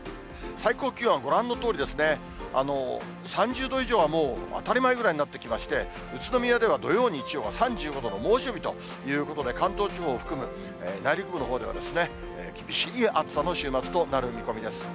最高気温、ご覧のとおりですね、３０度以上はもう当たり前ぐらいになってきまして、宇都宮では土曜、日曜が３５度の猛暑日ということで、関東地方を含む内陸部のほうでは、厳しい暑さの週末となる見込みです。